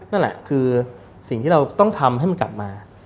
นั่นแหละคือสิ่งที่เราต้องทำให้มันกลับมา